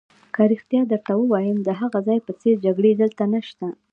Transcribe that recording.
که رښتیا درته ووایم، د هغه ځای په څېر جګړې دلته نشته.